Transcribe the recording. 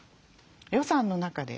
予算の中で。